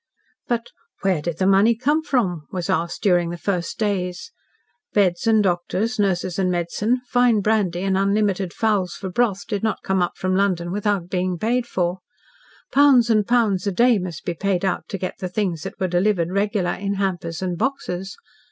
But "where did the money come from?" was asked during the first days. Beds and doctors, nurses and medicine, fine brandy and unlimited fowls for broth did not come up from London without being paid for. Pounds and pounds a day must be paid out to get the things that were delivered "regular" in hampers and boxes.